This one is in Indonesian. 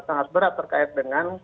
sangat berat terkait dengan